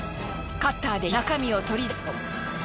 カッターで切り中身を取り出すと。